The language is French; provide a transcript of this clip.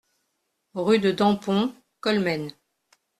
Rue de Dampont, Colmen